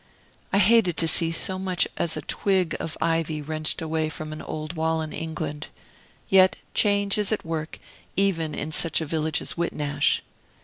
I hated to see so much as a twig of ivy wrenched away from an old wall in England. Yet change is at work, even in such a village as Whitnash.